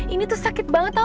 ini tuh sakit banget tau